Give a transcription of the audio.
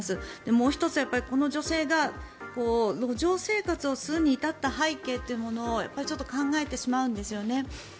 もう１つ、この女性が路上生活をするに至った背景というのをちょっと考えてしまうんですよね。